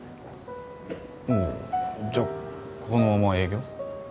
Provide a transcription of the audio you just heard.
おぉじゃあこのまま営業？